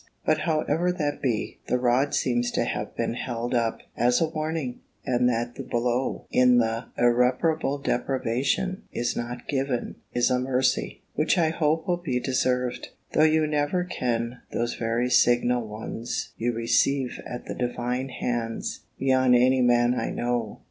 But however that be, the rod seems to have been held up, as a warning and that the blow, in the irreparable deprivation, is not given, is a mercy, which I hope will be deserved; though you never can those very signal ones you receive at the Divine hands, beyond any man I know.